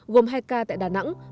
gồm hai ca tại đà nẵng